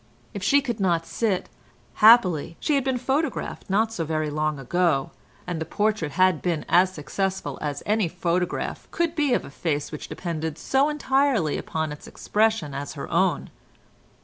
If she could not sit, happily, she had been photographed not so very long ago, and the portrait had been as successful as any photograph could be of a face which depended so entirely upon its expression as her own.